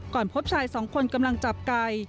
พบชายสองคนกำลังจับไก่